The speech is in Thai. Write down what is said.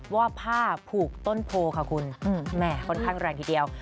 ว่าผ้าผูกต้นโพค่ะคุณแม่ค่อนข้างแรงทีเดียว